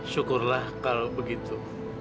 syukurlah kalau begitu